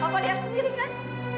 aku lihat sendiri kan